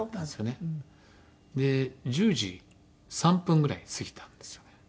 で１０時３分ぐらい過ぎたんですよね。